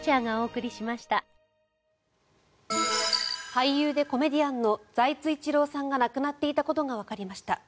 俳優でコメディアンの財津一郎さんが亡くなっていたことがわかりました。